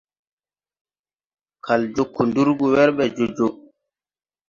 Kal joo kundurgu wer ɓe jo jo.